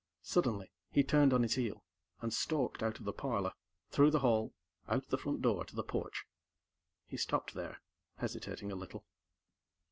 Suddenly, he turned on his heel and stalked out of the parlor, through the hall, out the front door, to the porch. He stopped there, hesitating a little.